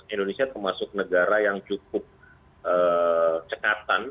indonesia termasuk negara yang cukup cekatan